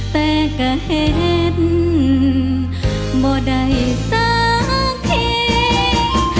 แต่ก็เห็นบ่ได้สักที